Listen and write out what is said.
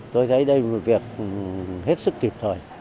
tôi thấy đây là một việc hết sức tuyệt thòi